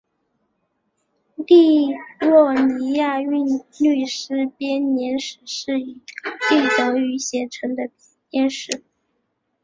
利沃尼亚韵律诗编年史是以高地德语写成的编年史。